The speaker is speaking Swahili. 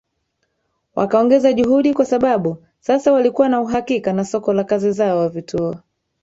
wakaongeza juhudi kwa sababu sasa walikuwa na uhakika na soko la kazi zao vituo